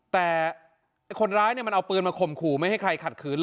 แต่คนร้ายมันเอาปืนมาข่มขู่ไม่ให้ใครขัดขืนเลย